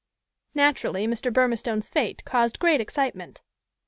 Naturally Mr. Burmistone's fête caused great excitement.